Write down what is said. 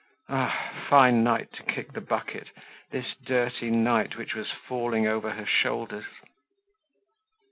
Ah! a fine night to kick the bucket, this dirty night which was falling over her shoulders!